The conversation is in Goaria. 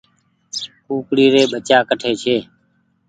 ڪُڪڙي ري ٻچا ڪٺي ڇي